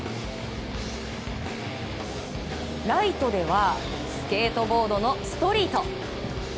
ライトではスケートボードのストリート。